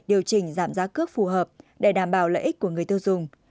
điều chỉnh giảm giá cước phù hợp để đảm bảo lợi ích của người tiêu dùng